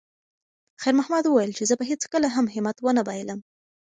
خیر محمد وویل چې زه به هیڅکله هم همت ونه بایللم.